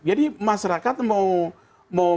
jadi masyarakat mau